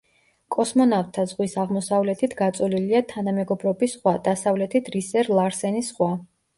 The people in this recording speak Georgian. კოსმონავტთა ზღვის აღმოსავლეთით გაწოლილია თანამეგობრობის ზღვა, დასავლეთით რისერ-ლარსენის ზღვა.